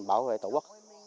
bảo vệ tổ quốc